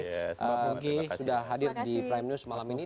mbak pungki sudah hadir di prime news malam ini